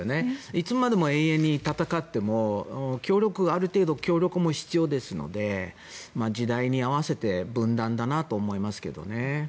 いつまでも延々と戦ってもある程度、協力も必要ですので時代に合わせて分断だなと思いますけどね。